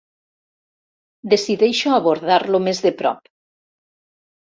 Decideixo abordar-lo més de prop.